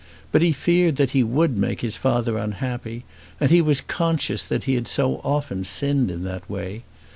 But he feared that he would make his father unhappy, and he was conscious that he had so often sinned in that way.